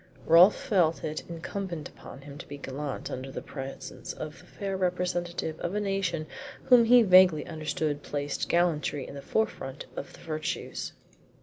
Rolfe felt it incumbent upon him to be gallant in the presence of the fair representative of a nation whom he vaguely understood placed gallantry in the forefront of the virtues.